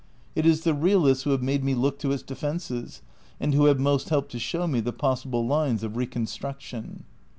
It is the realists who have made me look to its defences and who have most helped to show me the possible lines of reconstruc tion.